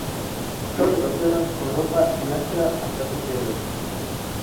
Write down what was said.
Luego recorrieron Europa y Asia hasta septiembre.